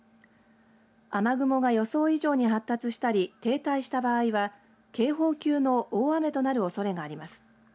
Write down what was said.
雨雲が予想以上に発達したり停滞した場合は警報級の大雨となるおそれがあります。